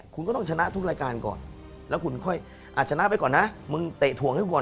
คุณก็ต้องชนะทุกรายการก่อนแล้วคุณค่อยอาจชนะไปก่อนนะมึงเตะถ่วงให้ก่อน